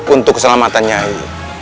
untuk keselamatan nyai